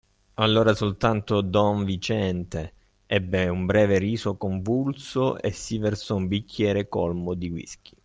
Allora soltanto don Viciente ebbe un breve riso convulso e si versò un bicchiere colmo di whisky.